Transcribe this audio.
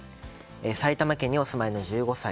埼玉県にお住まいの１５歳。